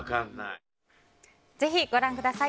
ぜひ、ご覧ください。